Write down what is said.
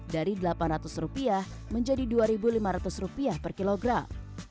dari delapan ratus rupiah menjadi dua lima ratus rupiah per kilogram